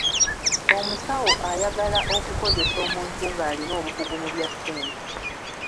Omusawo ayagala okukozesa omuntu ng'alina obukugu mu bya ssente.